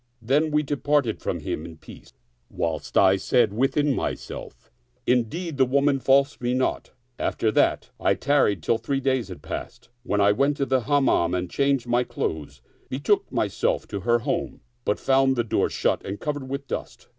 Then we departed from him in peace, whilst I said within myself, " Indeed, the woman falsed me not." After that I tarried till three days had passed, when I went to the Hammam and changing my clothes, betook myself to her home, but found the door shut and covered with dust.